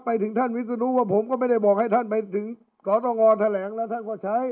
ไปถึงท่านวิศนุว่าผมก็ไม่ได้บอกให้ท่านไปถึงสตงแถลงแล้วท่านก็ใช้